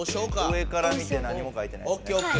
上から見て何も書いてないやつね。